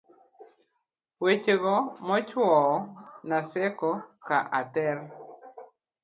weche go mochuowo Naseko ka ather